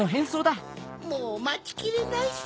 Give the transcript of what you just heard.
もうまちきれないさ。